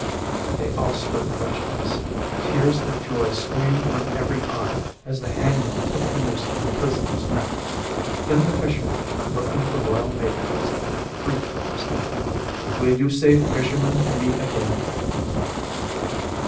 They all stood motionless, tears of joy streamed from every eye as the hangman took the noose from the prisoner's neck. Then the fisherman, looking at the royal maiden, said three times: "Will you say fisherman to me again?"